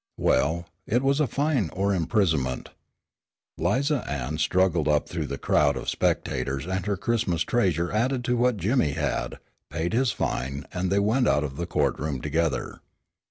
Well, it was fine or imprisonment. 'Liza Ann struggled up through the crowd of spectators and her Christmas treasure added to what Jimmy had, paid his fine and they went out of the court room together.